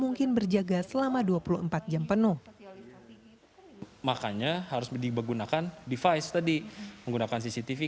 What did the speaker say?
mungkin berjaga selama dua puluh empat jam penuh makanya harus dibegunakan device tadi menggunakan cctv